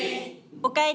おかえり！